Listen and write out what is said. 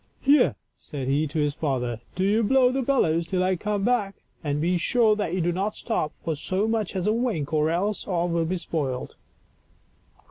" Here," said he to his father, " do you blow the bellows till I come back, and be sure that you do not stop for so much as a wink, or else all will be spoiled."